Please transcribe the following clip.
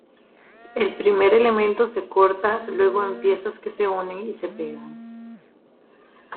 El primer elemento se corta luego en piezas que se unen y se pegan.